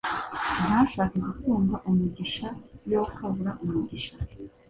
ntashake gutunga umugisha yokabura umugisha